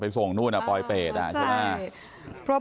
ไปส่งโน้นนัสปลอยเปด